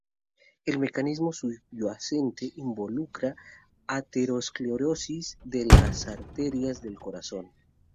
El mecanismo subyacente involucra ateroesclerosis de la arterias del corazón.